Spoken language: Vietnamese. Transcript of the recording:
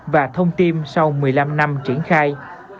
và thông tin sau một mươi năm năm triển khai